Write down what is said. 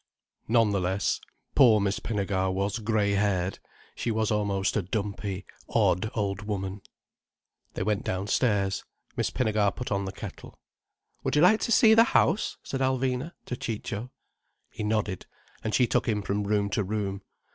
None the less, poor Miss Pinnegar was grey haired, she was almost a dumpy, odd old woman. They went downstairs. Miss Pinnegar put on the kettle. "Would you like to see the house?" said Alvina to Ciccio. He nodded. And she took him from room to room.